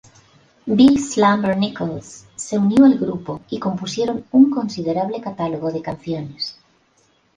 Bill "Slumber" Nichols se unió al grupo y compusieron un considerable catálogo de canciones.